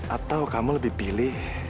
atau kamu lebih pilih